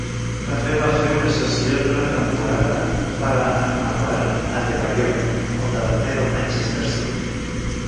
També va fer una cessió d'una temporada per a Emmanuel Adebayor, el davanter del Manchester City.